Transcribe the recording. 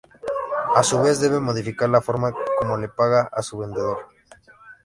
A su vez, debe modificar la forma como le paga a sus vendedores.